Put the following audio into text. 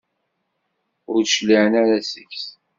Ur d-cliɛen ara seg-s.